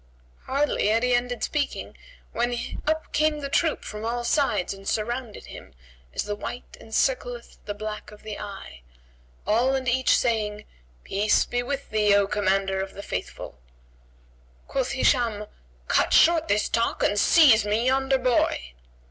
Hardly had he ended speaking, when up came the troop from all sides and surrounded him as the white encircleth the black of the eye, all and each saying, "Peace be with thee, O Commander of the Faithful!" Quoth Hisham, "Cut short this talk and seize me yonder boy."